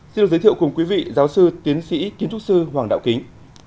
xin được giới thiệu cùng quý vị giáo sư tiến sĩ kiến trúc sư hoàng đạo kính